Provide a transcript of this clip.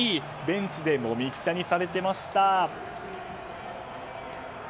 ベンチでもみくちゃにされていました。